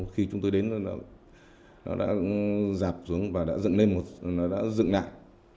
khi chúng tôi đến nó đã dạp xuống và đã dựng lại